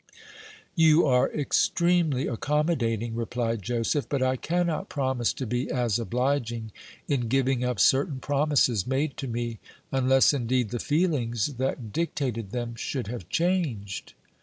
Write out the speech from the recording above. "You are extremely accommodating," replied Joseph; "but I cannot promise to be as obliging in giving up certain promises made to me, unless, indeed, the feelings that dictated them should have changed."